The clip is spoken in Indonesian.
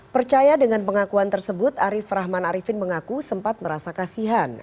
percaya dengan pengakuan tersebut arief rahman arifin mengaku sempat merasa kasihan